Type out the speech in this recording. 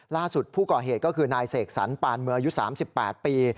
ล่าสุดผู้ก่อเหตุก็คือนายเสกสรรปานเมืองอายุ๓๘ปี